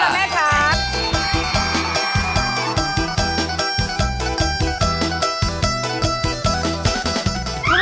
ขอบคุณล่ะแม่คะ